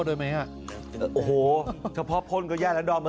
โอ้โหขอบคุณครับ